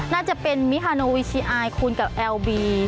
น่าจะเป็นมิฮาโนอีชิอายคุณกับแอลบี